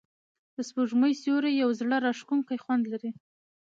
د سپوږمۍ سیوری یو زړه راښکونکی خوند لري.